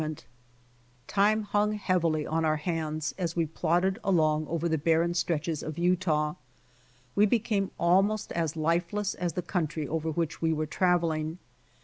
110 BY ox TEAM TO CALIFORNIA Time hung heavily on our hands as we plodded alons over the barren stretches of Utah. We became almost as lifeless as the country over which we were traveling.